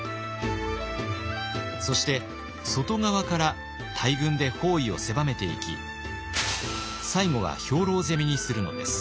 そして外側から大軍で包囲を狭めていき最後は兵糧攻めにするのです。